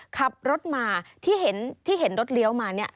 ขับรถมาที่เห็นรถเลี้ยวมาเนี่ย